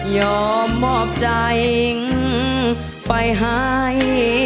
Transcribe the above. ยอมมอบใจไปให้